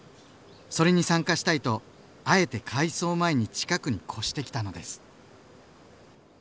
それに参加したいとあえて改装前に近くに越してきたのです。